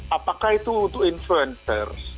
apakah itu untuk influencer